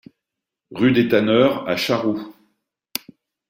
Rue des Tanneurs à Charroux